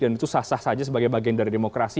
dan itu sah sah saja sebagai bagian dari demokrasi